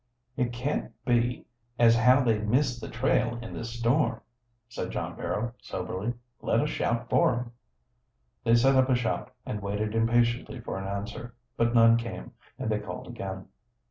"It can't be as how they missed the trail in this snow," said John Barrow soberly. "Let us shout for 'em." They set up a shout, and waited impatiently for an answer. But none came, and they called again.